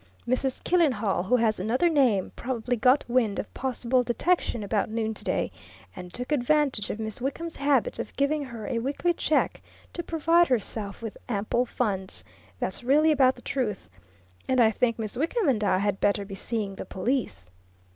Mrs. Killenhall who has another name probably got wind of possible detection about noon today, and took advantage of Miss Wickham's habit of giving her a weekly check, to provide herself with ample funds. That's really about the truth and I think Miss Wickham and I had better be seeing the police."